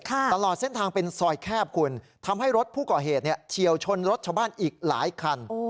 ตลอดเส้นทางเป็นซอยแคบคุณทำให้รถผู้ก่อเหตุเนี่ยเฉียวชนรถชาวบ้านอีกหลายคัน